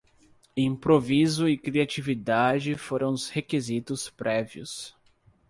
Improviso e criatividade foram os requisitos prévios